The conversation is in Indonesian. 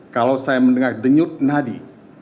kalau saya mendengar denyut nadi